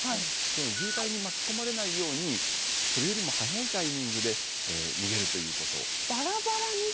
その渋滞に巻き込まれないようにそれよりも早いタイミングで逃げるということ。